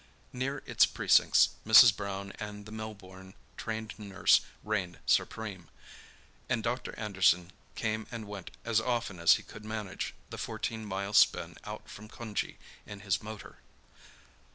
Near its precincts Mrs. Brown and the Melbourne trained nurse reigned supreme, and Dr. Anderson came and went as often as he could manage the fourteen mile spin out from Cunjee in his motor.